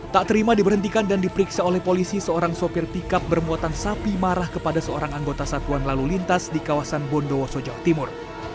tak terima diberhentikan dan diperiksa oleh polisi seorang sopir pikap bermuatan sapi marah kepada seorang anggota satuan lalu lintas di kawasan bondowoso jawa timur